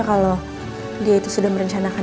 kalau dia itu sudah merencanakan